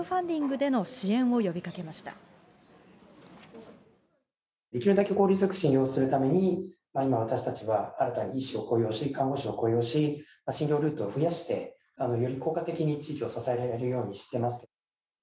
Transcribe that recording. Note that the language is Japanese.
できるだけ効率よく診療するために、今、私たちは新たに医師を雇用し、看護師を雇用し、診療ルートを増やして、より効果的に地域を支えられるようにしてます。